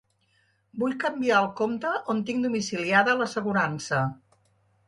Vull canviar el compte on tinc domiciliada l'assegurança.